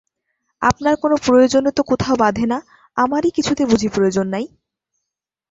আপনার কোনো প্রয়োজনে তো কোথাও বাধে না, আমারই কিছুতে বুঝি প্রয়োজন নাই?